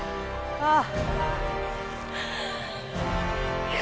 ああ！